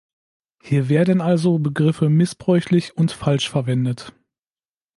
Hier werden also Begriffe missbräuchlich und falsch verwendet.